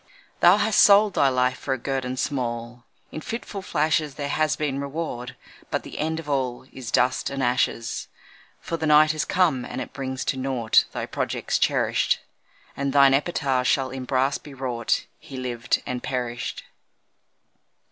Thou hast sold thy life for a guerdon small In fitful flashes; There has been reward but the end of all Is dust and ashes. For the night has come and it brings to naught Thy projects cherished, And thine epitaph shall in brass be wrought 'He lived and perished.'